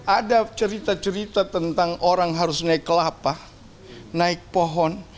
ada cerita cerita tentang orang harus naik kelapa naik pohon